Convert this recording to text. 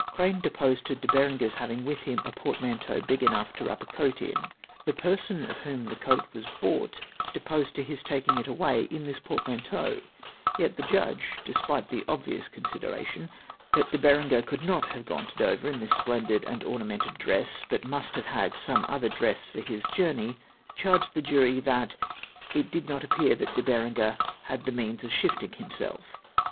Crane deposed to De Berenger's having with him " a portmanteau big enough to wrap a coat in." The person of whom the coat was bought deposed to his taking it away in this portman teau, yet the judge — despite the obvious consideration, that De Berenger could not have gone to Dover in this splendid and ornamented dress, but must have had some other dress for his journey — charged the jury that " it did not appear tliat De Berenger had the means of shifting himself!''